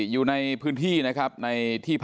สอบปลายภาพ